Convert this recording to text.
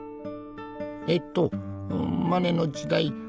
えっとマネの時代